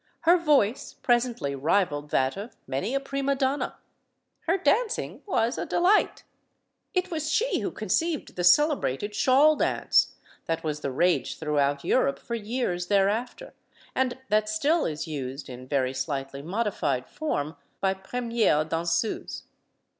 Her voice presently rivaled that of many a prima donna. Her dancing was a delight. It was she who conceived the celebrated "shawl dance" that was the rage throughout Europe for years thereafter, and that still is used, in very slightly modified form, by premieres danseuses.